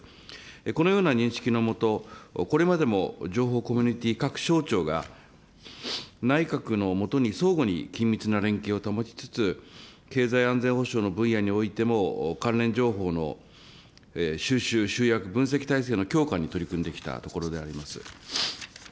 このような認識の下、これまでも情報コミュニティ各省庁が、内閣の下に相互に緊密な連携を保ちつつ、経済安全保障の分野においても、関連情報の収集、集約、分析体制の強化に取り組んできたところであります。